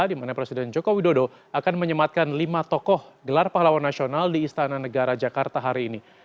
di mana presiden joko widodo akan menyematkan lima tokoh gelar pahlawan nasional di istana negara jakarta hari ini